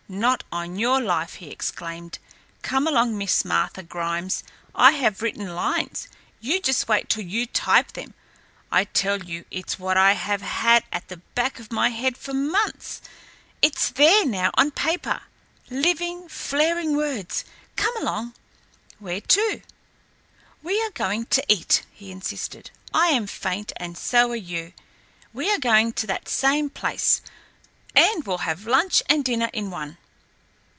"Not on your life" he exclaimed. "Come along, Miss Martha Grimes. I have written lines you just wait till you type them! I tell you it's what I have had at the back of my head for months. It's there now on paper living, flaring words. Come along." "Where to?" "We are going to eat," he insisted. "I am faint, and so are you. We are going to that same place, and we'll have lunch and dinner in one."